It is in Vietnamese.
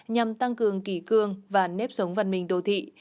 nhằm tăng cường kỷ cương và nếp sống văn minh đô thị